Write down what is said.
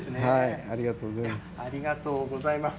ありがとうございます。